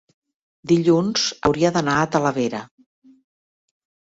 dilluns hauria d'anar a Talavera.